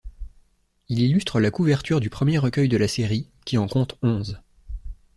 Il illustre la couverture du premier recueil de la série, qui en compte onze.